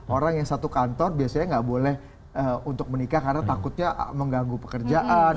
orang yang satu kantor biasanya nggak boleh untuk menikah karena takutnya mengganggu pekerjaan